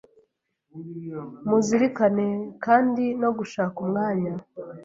Muzirikane kandi no gushaka umwanya